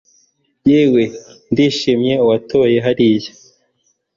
yewe ndishimye uwatoye hariya